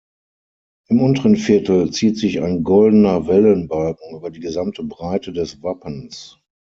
Im unteren Viertel zieht sich ein goldener Wellenbalken über die gesamte Breite des Wappens.